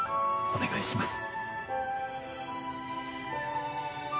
お願いします。